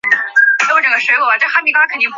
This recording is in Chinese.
至建初元年。